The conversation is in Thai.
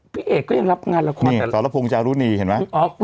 พี่เอกก็ยังรับงานละครนี่สรพงศ์จารุณีเห็นไหมอ๋อ